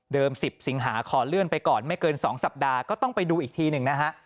๑๐สิงหาขอเลื่อนไปก่อนไม่เกิน๒สัปดาห์ก็ต้องไปดูอีกทีหนึ่งนะฮะ